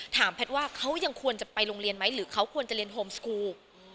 แพทย์ว่าเขายังควรจะไปโรงเรียนไหมหรือเขาควรจะเรียนโฮมสกูล